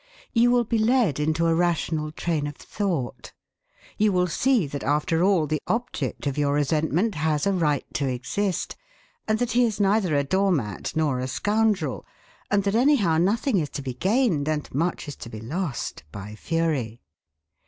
You will be led into a rational train of thought; you will see that after all the object of your resentment has a right to exist, and that he is neither a doormat nor a scoundrel, and that anyhow nothing is to be gained, and much is to be lost, by fury.